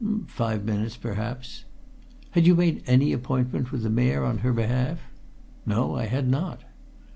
"Five minutes perhaps." "Had you made any appointment with the Mayor on her behalf?" "No. I had not."